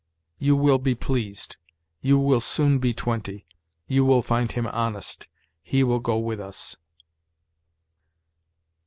"You will be pleased." "You will soon be twenty." "You will find him honest." "He will go with us."